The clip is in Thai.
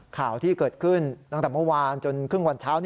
ข่าวที่เกิดขึ้นตั้งแต่เมื่อวานจนครึ่งวันเช้า